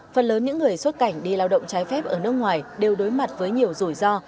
phần lớn những người xuất cảnh đi lao động trái phép ở nước ngoài đều đối mặt với nhiều rủi ro